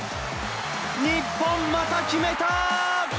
日本、また決めた。